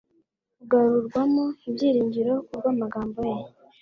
ugarurwamo ibyiringiro kubw'amagambo ye.